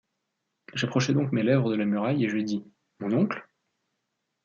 J’approchai donc mes lèvres de la muraille, et je dis :« Mon oncle ?